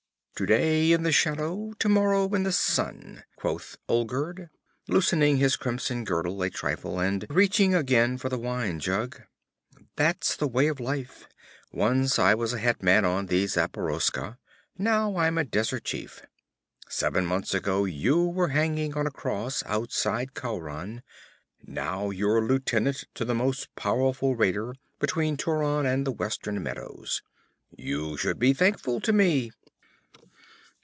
'Today in the shadow, tomorrow in the sun,' quoth Olgerd, loosening his crimson girdle a trifle and reaching again for the wine jug. 'That's the way of life. Once I was a hetman on the Zaporoska; now I'm a desert chief. Seven months ago you were hanging on a cross outside Khauran. Now you're lieutenant to the most powerful raider between Turan and the western meadows. You should be thankful to me!'